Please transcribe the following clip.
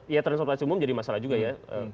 ya transportasi umum jadi masalah juga ya